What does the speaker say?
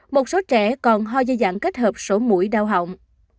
bảy một số trẻ còn ho dây dạng kết hợp sổ mũi đau hỏng